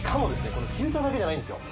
このフィルターだけじゃないんですよ